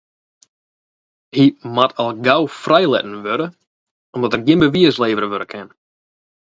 Hy moat al gau frijlitten wurde om't der gjin bewiis levere wurde kin.